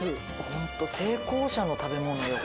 ホント成功者の食べ物よ